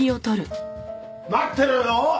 待ってろよ。